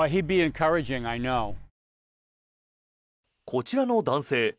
こちらの男性